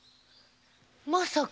まさか。